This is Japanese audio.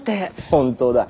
本当だ。